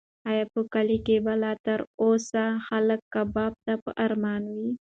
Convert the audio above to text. ایا په کلي کې به لا تر اوسه خلک کباب ته په ارمان وي؟